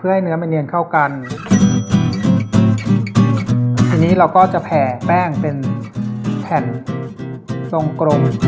อันนี้เราก็จะแผ่แป้งเป็นแผ่นซองก